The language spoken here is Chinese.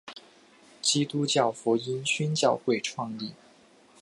基督教福音宣教会创立。